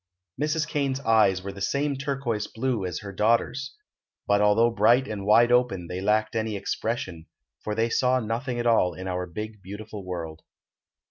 Mrs. Kane's eyes were the same turquoise blue as her daughter's; but, although bright and wide open they lacked any expression, for they saw nothing at all in our big, beautiful world.